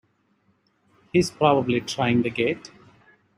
He's probably trying the gate!